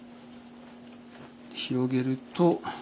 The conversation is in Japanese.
広げると。